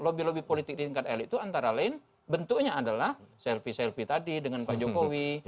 lobby lobby politik di tingkat elit itu antara lain bentuknya adalah selfie selfie tadi dengan pak jokowi